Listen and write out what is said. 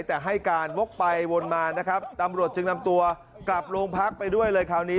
แต่ให้การวกไปวนมานะครับตำรวจจึงนำตัวกลับโรงพักไปด้วยเลยคราวนี้